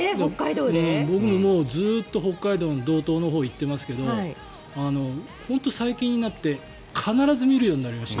僕もずっと北海道の道東のほうに行っていますけど本当に最近になって必ず見るようになりました。